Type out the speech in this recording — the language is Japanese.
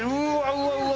うわうわ！